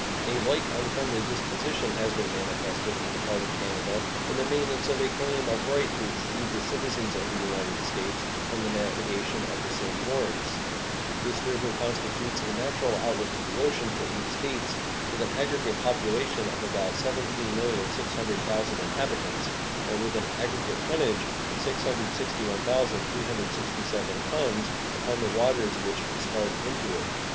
A like unfriendly disposition has been manifested on the part of Canada in the maintenance of a claim of right to exclude the citizens of the United States from the navigation of the St. Lawrence. This river constitutes a natural outlet to the ocean for eight States, with an aggregate population of about 17,600,000 inhabitants, and with an aggregate tonnage of 661,367 tons upon the waters which discharge into it.